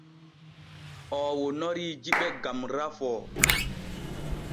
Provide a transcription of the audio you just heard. Oo wonorii jiɓe gam rafoo.